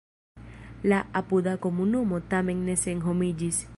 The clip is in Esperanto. La apuda komunumo tamen ne senhomiĝis.